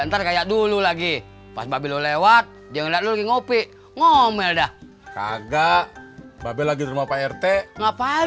ntar kayak dulu lagi pas bapak lewat dia ngopi ngomel dah kagak babel lagi rumah rt ngapain